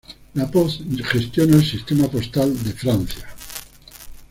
La Poste gestiona el sistema postal de Francia.